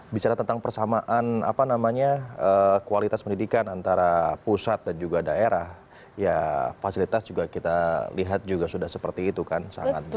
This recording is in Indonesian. di sana ada berapa orang siswa kalau dibandingkan dengan jumlah gurunya juga mas anggit